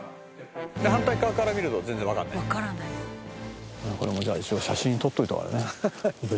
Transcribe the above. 「反対側から見ると全然わからない」「わからない」これもじゃあ一応写真撮っといた方がいいよね。